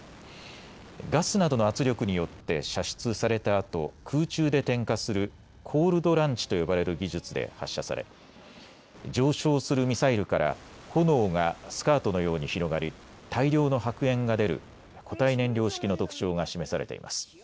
ガスなどの圧力によって射出されたあと空中で点火するコールド・ランチと呼ばれる技術で発射され上昇するミサイルから炎がスカートのように広がり大量の白煙が出る固体燃料式の特徴が示されています。